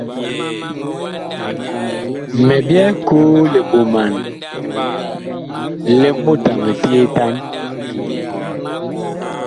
Mi byɛɛ koo li ɓoman li mut a miteetan.